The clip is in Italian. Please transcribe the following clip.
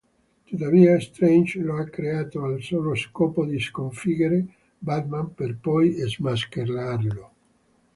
Tuttavia, Strange lo ha creato al solo scopo di sconfiggere Batman per poi smascherarlo.